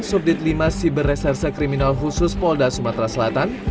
subdit lima siber reserse kriminal khusus polda sumatera selatan